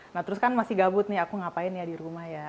nah terus kan masih gabut nih aku ngapain ya di rumah ya